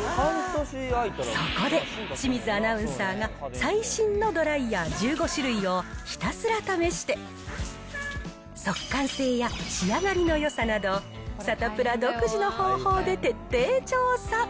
そこで、清水アナウンサーが最新のドライヤー１５種類をひたすら試して、速乾性や仕上がりのよさなど、サタプラ独自の方法で徹底調査。